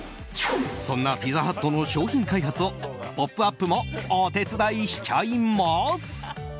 そんなピザハットの商品開発を「ポップＵＰ！」もお手伝いしちゃいます！